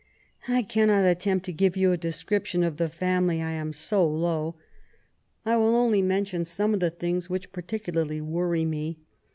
I cannot attempt to give you a description of the family, I am so low ; I will only mention some of the things which particularly worry me.